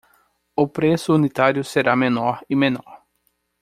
O preço unitário será menor e menor